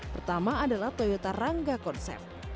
pertama adalah toyota rangga konsep